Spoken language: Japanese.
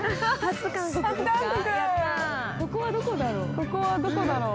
◆ここはどこだろう。